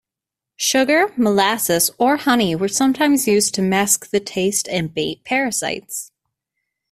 Sugar, molasses or honey were sometimes used to mask the taste, and bait parasites.